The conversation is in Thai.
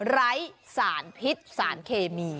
ไร้สารพิษสารเคมี